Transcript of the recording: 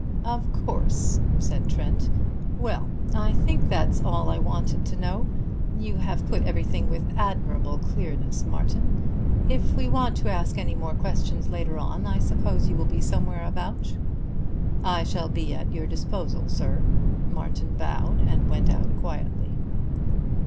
"Of course," said Trent. "Well, I think that's all I wanted to know. You have put everything with admirable clearness, Martin. If we want to ask any more questions later on, I suppose you will be somewhere about." "I shall be at your disposal, sir." Martin bowed and went out quietly.